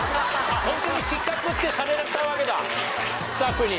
ホントに失格ってされたわけだスタッフに。